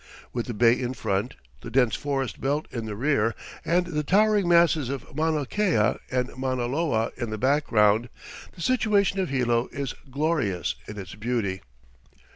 With the bay in front, the dense forest belt in the rear, and the towering masses of Mauna Kea and Mauna Loa in the background, the situation of Hilo is glorious in its beauty.